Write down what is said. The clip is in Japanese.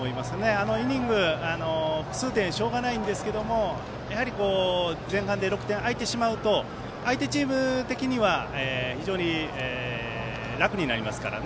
あのイニングは複数点しょうがないですが前半で６点開いてしまうと相手チーム的には非常に楽になりますから。